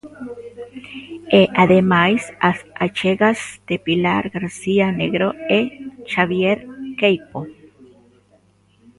E, ademais, as achegas de Pilar García Negro e Xavier Queipo.